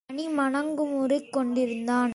மணி மனங்குமுறிக் கொண்டிருந்தான்.